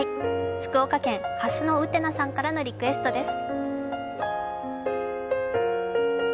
福岡県、はすのうてなさんからのリクエストです。